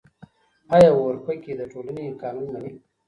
آيا اورپکي د ټولنې قانون مني؟